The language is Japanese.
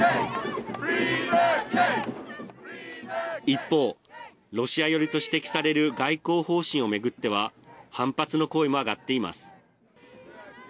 一方、ロシア寄りと指摘される外交方針を巡っては反発の声も上がっています。